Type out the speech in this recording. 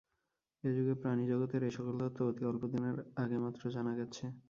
এ-যুগে প্রাণিজগতের এ-সকল তত্ত্ব অতি অল্পদিন আগে মাত্র জানা গেছে।